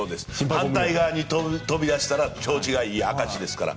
反対側に飛び出したら調子がいい証しですから。